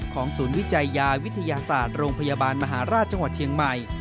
ศูนย์วิจัยยาวิทยาศาสตร์โรงพยาบาลมหาราชจังหวัดเชียงใหม่